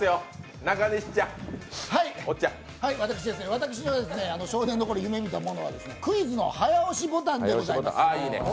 私が少年の頃夢みたものはクイズの早押しボタンでございます。